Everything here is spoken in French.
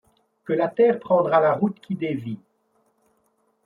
Que la terre prendra la route qui dévie